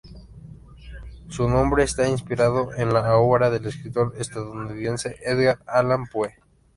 Su nombre está inspirado en la obra del escritor estadounidense Edgar Allan Poe.